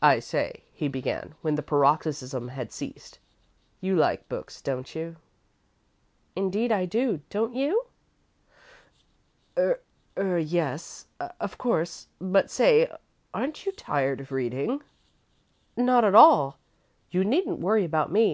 "I say," he began, when the paroxysm had ceased; "you like books, don't you?" "Indeed I do don't you?" "Er yes, of course, but say aren't you tired of reading?" "Not at all. You needn't worry about me.